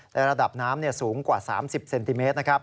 และระดับน้ำสูงกว่า๓๐เซนติเมตรนะครับ